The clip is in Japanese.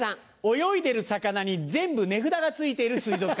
泳いでる魚に全部値札が付いている水族館。